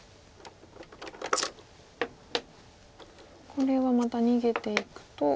これはまた逃げていくと。